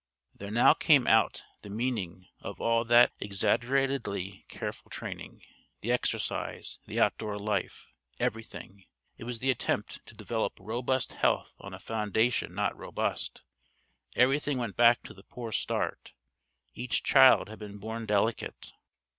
There now came out the meaning of all that exaggeratedly careful training: the exercise, the outdoor life, everything: it was the attempt to develop robust health on a foundation not robust: everything went back to the poor start: each child had been born delicate.